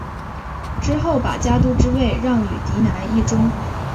之后把家督之位让与嫡男义忠。